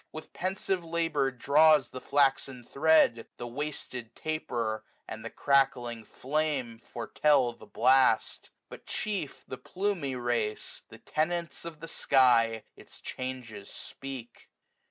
With pensive labour draws the flaxen thread, 135 The wasted taper and the crackling flame Fgretell the blast. But chief the plumy race, The tenants of the sky, its changes speak.